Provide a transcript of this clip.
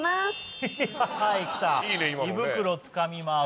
胃袋つかみます。